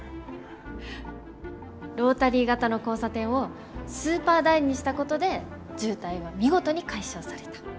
ロータリー型の交差点をスーパー楕円にしたことで渋滞は見事に解消された。